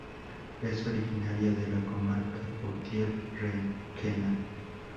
Es originaria de la comarca Utiel-Requena.